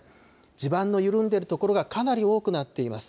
地盤の緩んでいるところがかなり多くなっています。